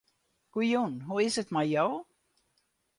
Goejûn, hoe is 't mei jo?